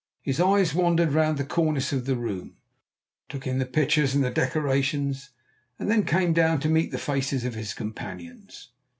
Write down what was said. His eyes wandered round the cornice of the room, took in the pictures and decorations, and then came down to meet the faces of his companions.